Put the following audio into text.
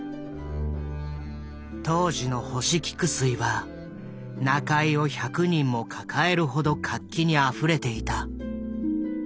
当時の星菊水は仲居を１００人も抱えるほど活気にあふれていた。